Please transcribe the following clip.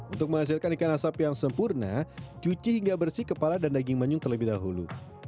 untuk menghasilkan ikan asap yang sempurna cuci hingga bersih kepala dan daging manyung terlebih dahulu